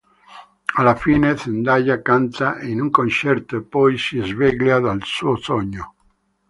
Alla fine, Zendaya canta in un concerto e poi si sveglia dal suo sogno.